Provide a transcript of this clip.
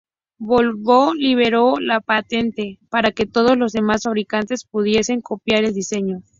Volvo liberó la patente, para que todos los demás fabricantes pudiesen copiar el diseño.